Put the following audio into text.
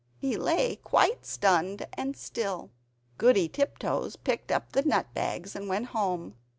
He lay quite stunned and still. Goody Tiptoes picked up the nut bags and went home.